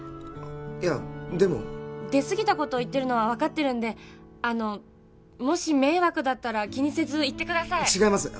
いやでも出過ぎたことを言ってるのは分かってるんであのもし迷惑だったら気にせず言ってください違います